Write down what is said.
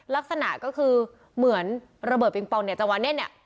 ลักษณะก็คือเหมือนระเบิดปิงปองเนี่ยจังหวะนี้เนี่ย